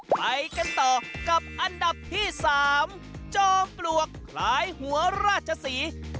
ไปกันต่อกับอันดับที่๓จอมปลวกคล้ายหัวราชศรี